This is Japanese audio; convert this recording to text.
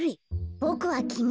ボクはきみ。